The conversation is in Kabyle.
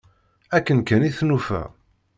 Akken kan i t-nufa.